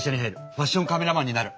ファッションカメラマンになる！